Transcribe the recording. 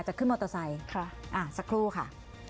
จะขึ้นมอเตอร์ไซค์สักครู่ค่ะ